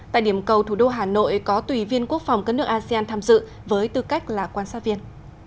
tại điểm cầu thủ đô hà nội có tùy viên quốc phòng các nước asean tham dự với tư cách là quan sát viên